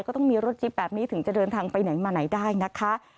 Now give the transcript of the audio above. ก็ต้องมีรถจิ๊บแบบนี้ถึงจะเดินทางไปไหนมาไหนได้นะคะ